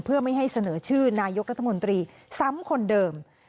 เพื่อไม่ให้เสนอชื่อนายกรัฐมนตรีซ้ำคนเดิม